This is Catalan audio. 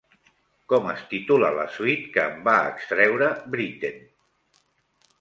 Com es titula la suite que en va extreure Britten?